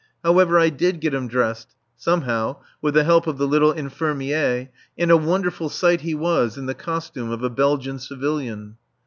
However, I did get him dressed, somehow, with the help of the little infirmier, and a wonderful sight he was, in the costume of a Belgian civilian.